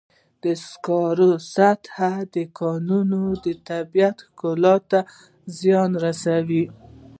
د سکرو سطحي کانونه د طبیعت ښکلا ته زیان رسوي.